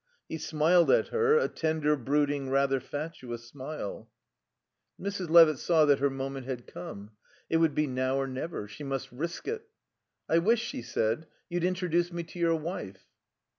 He smiled at her, a tender, brooding, rather fatuous smile. Mrs. Levitt saw that her moment had come. It would be now or never. She must risk it. "I wish," she said, "you'd introduce me to your wife."